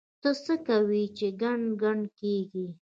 ته څه کوې چې ګڼ ګڼ کېږې؟!